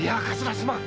すまん！